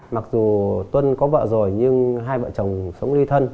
mặc dù tuân có vợ rồi nhưng hai vợ chồng sống ly thân